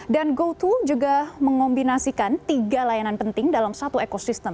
dan goto juga mengombinasikan tiga layanan penting dalam satu ekosistem